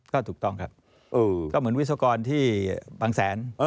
ก็ถูกต้องครับก็เหมือนวิศวกรที่บางแสน